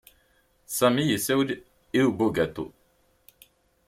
Sami issawel i bugaṭu.